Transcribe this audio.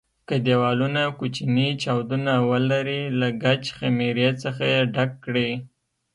که دېوالونه کوچني چاودونه ولري له ګچ خمېرې څخه یې ډک کړئ.